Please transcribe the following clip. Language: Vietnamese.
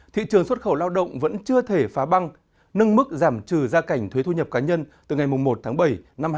thị trường xuất khẩu lao động vẫn chưa thể phá băng nâng mức giảm trừ gia cảnh thuế thu nhập cá nhân từ ngày một tháng bảy năm hai nghìn hai mươi